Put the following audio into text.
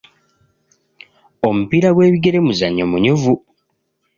Omupiira gw'ebigere muzannyo munyuvu.